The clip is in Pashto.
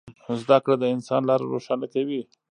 زده کړه د انسان لاره روښانه کوي.